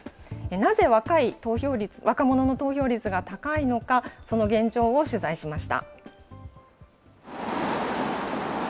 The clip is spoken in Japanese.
なぜ若者の投票率が高いのか、その現状を取材しました。